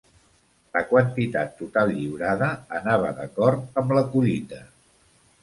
La quantitat total lliurada anava d'acord amb la collita.